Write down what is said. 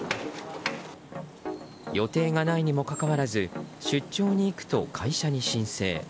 予定がないにもかかわらず出張に行くと会社に申請。